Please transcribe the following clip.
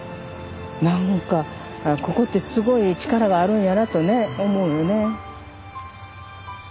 何かここってすごい力があるんやなとね思うよね。